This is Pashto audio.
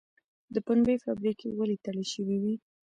د پنبې فابریکې ولې تړل شوې وې؟